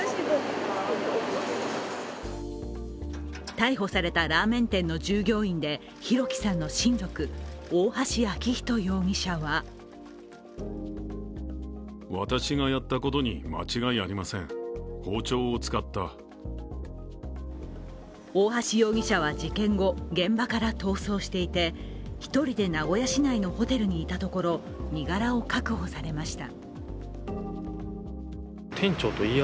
逮捕されたラーメン店の従業員で弘輝さんの親族、大橋昭仁容疑者は大橋容疑者は事件後、現場から逃走していて１人で名古屋市内のホテルにいたところ身柄を確保されました。